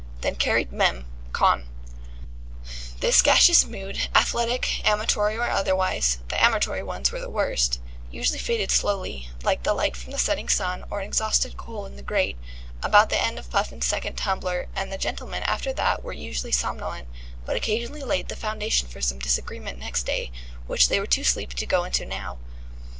Then carried mem. con." This gaseous mood, athletic, amatory or otherwise (the amatory ones were the worst), usually faded slowly, like the light from the setting sun or an exhausted coal in the grate, about the end of Puffin's second tumbler, and the gentlemen after that were usually somnolent, but occasionally laid the foundation for some disagreement next day, which they were too sleepy to go into now.